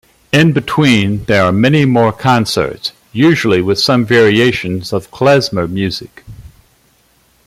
In between there are many more concerts, usually with some variations of klezmer music.